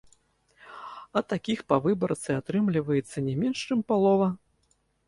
А такіх па выбарцы атрымліваецца не менш чым палова.